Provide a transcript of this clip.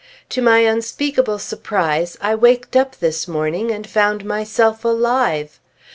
To my unspeakable surprise, I waked up this morning and found myself alive.